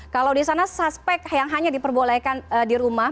kalau di sana suspek yang hanya diperbolehkan di rumah